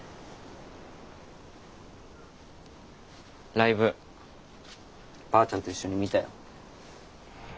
ライブばあちゃんと一緒に見たよ。